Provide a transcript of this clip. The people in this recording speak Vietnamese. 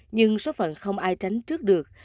nhưng số phận không ai tránh trước được